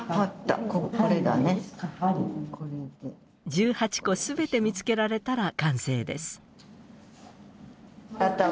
１８個全て見つけられたら完成です。